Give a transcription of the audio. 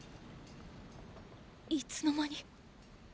いつの間に？